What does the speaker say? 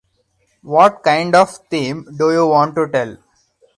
What kind of theme do you want to tell?